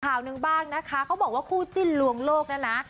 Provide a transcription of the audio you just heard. ข่าวหนึ่งบ้างนะคะเขาบอกว่าคู่จิ้นลวงโลกเนี่ยนะ